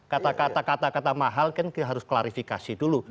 kata kata mahal kan harus kita klarifikasi